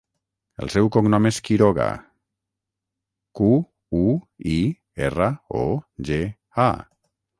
El seu cognom és Quiroga: cu, u, i, erra, o, ge, a.